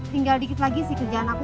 tinggal dikit lagi sih kerjaan aku